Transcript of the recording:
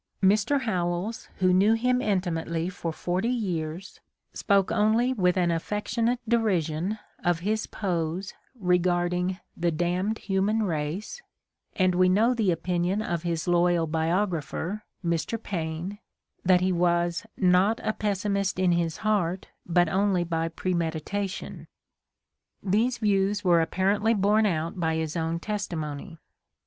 Mr. Howells, who knew him inti 2 The Ordeal of Mark Twain mately for forty years, spoke only with an affectionate derision of his "pose" regarding "the damned human race," and we know the opinion of his loyal biographer, Mr. Paine, that he was "not a pessimist in his heart, but only by premeditation." These views were apparently borne out by his own testimony.